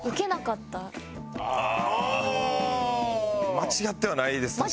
間違ってないんですか？